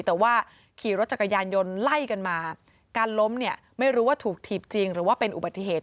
แต่ว่าขี่รถจักรยานยนต์ไล่กันมาการล้มเนี่ยไม่รู้ว่าถูกถีบจริงหรือว่าเป็นอุบัติเหตุ